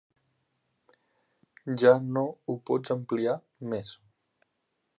Ja no ho pots ampliar més.